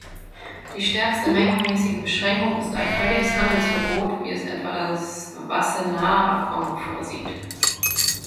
Die stärkste mengenmäßige Beschränkung ist ein völliges Handelsverbot, wie es etwa das Wassenaar-Abkommen vorsieht.